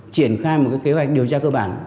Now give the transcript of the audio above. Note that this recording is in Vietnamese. triển khai một kế hoạch điều tra cơ bản